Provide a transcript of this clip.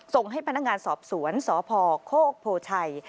ส่งให้พนักงานสอบสวนสพโคกโพชัย